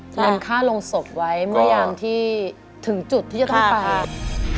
เงินค่าลงศพไว้เมื่อยามที่ถึงจุดที่จะต้องฝาก